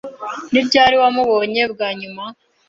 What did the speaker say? Ni ryari wamubonye bwa nyuma?